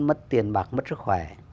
mất tiền bạc mất sức khỏe